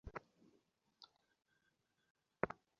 কে ওই ক্রিপ্টোনাইটটাকে মহাশূন্যে ফেরত পাঠিয়েছে?